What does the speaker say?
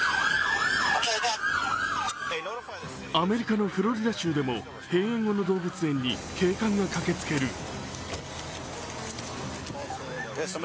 アメリカのフロリダ州でも閉園後の動物園に警官が駆けつける。